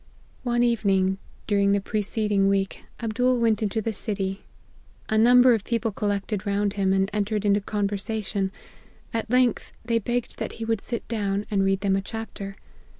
" One evening, during the preceding week, Ab dool went into the city. A number of people col lected round him, and entered into conversation ; at length, they begged that he would sit down, and read them a chapter.